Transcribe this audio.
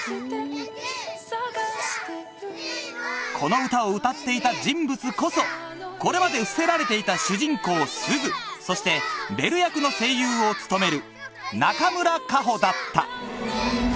この歌を歌っていた人物こそこれまで伏せられていた主人公すずそしてベル役の声優を務める